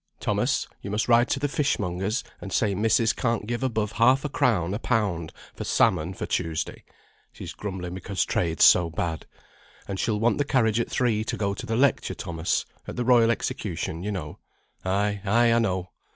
"Thomas, you must ride to the fishmonger's, and say missis can't give above half a crown a pound for salmon for Tuesday; she's grumbling because trade's so bad. And she'll want the carriage at three to go to the lecture, Thomas; at the Royal Execution, you know." "Ay, ay, I know."